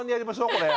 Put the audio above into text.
これ。